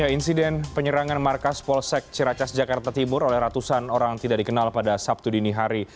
insiden penyerangan markas polsek ciracas jakarta timur oleh ratusan orang tidak dikenal pada sabtu dini hari